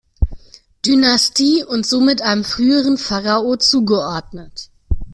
Dynastie und somit einem früheren Pharao zugeordnet.